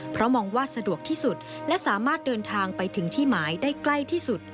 เพราะมองว่าสะดวกที่สุดและสามารถเดินทางไปถึงที่หมายได้ใกล้ที่สุด